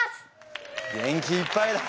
元気いっぱいだな。